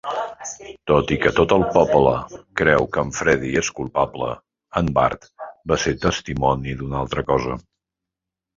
Tot i que tot el poble creu que en Freddy és culpable, en Bart va ser testimoni d'una altra cosa.